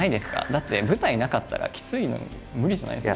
だって舞台なかったらきついの無理じゃないですか？